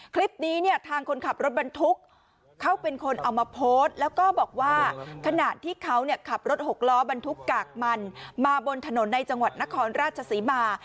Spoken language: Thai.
คลิปนี้เนี่ยทางคนขับรถบรรทุกเขาเป็นคนเอามาโพสต์แล้วก็บอกว่าขณะที่เขาขับรถหกล้อบรรทุกกากมันมาบนถนนในจังหวัดนครราชศรีมา